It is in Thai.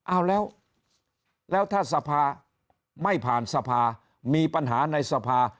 เอาแล้วแล้วถ้าสภาไม่ผ่านสภามีปัญหาในสภา